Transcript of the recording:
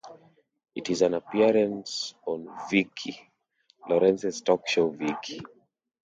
In an appearance on Vicki Lawrence's talk show Vicki!